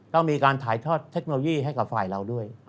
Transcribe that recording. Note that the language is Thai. ก็มีการถ่ายทอดเทคโนโลยีให้กับฝ่ายเราด้วย